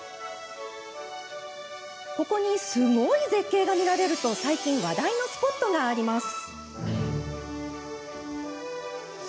ここに、すごい絶景が見られると最近、話題のスポットがあります。